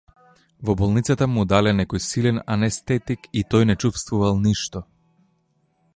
Во болницата му дале некој силен анестетик и тој не чувствувал ништо.